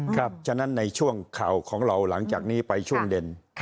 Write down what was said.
ฉะนั้นในช่วงข่าวของเราหลังจากนี้ไปช่วงเด่น